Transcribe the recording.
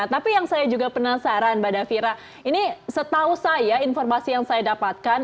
tapi yang saya juga penasaran mbak davira ini setahu saya informasi yang saya dapatkan